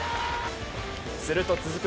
すると続く